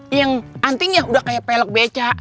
yang antingnya udah kayak pelek beca